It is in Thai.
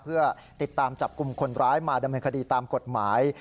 เพื่อติดตามจับกลุ่มคนร้ายมาดำเนินคดีตามกฎหมาย